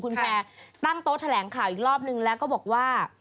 คุณแพร่ตั้งโต๊ะแถลงข่าวอีกรอบนึงแล้วก็บอกว่า